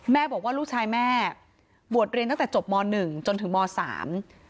แม่บอกว่าลูกชายแม่บวชเรียนตั้งแต่จบม๑จนถึงม๓